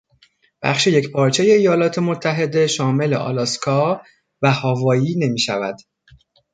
بخش یکپارچهی ایالات متحده شامل آلاسکا و هاوایی نمیشود.